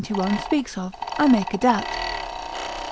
speaks of, I make a doubt.